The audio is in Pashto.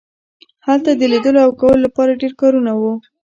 هلته د لیدلو او کولو لپاره ډیر کارونه وو